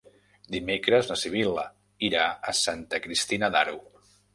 Dimecres na Sibil·la irà a Santa Cristina d'Aro.